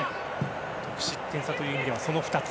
得失点差という意味ではその２つ。